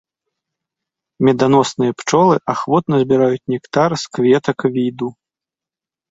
Меданосныя пчолы ахвотна збіраюць нектар з кветак віду.